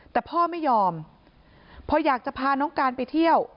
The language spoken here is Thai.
แต่พ่อไม่ยอมพออยากจะพาน้องการไปเที่ยว